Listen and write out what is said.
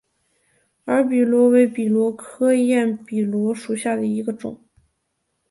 耳笔螺为笔螺科焰笔螺属下的一个种。